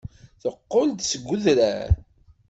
Teqqel-d seg udrar.